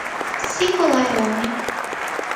Singular homem!